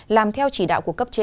làm theo chỉ đạo của cấp trên